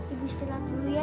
ibu istirahat dulu ya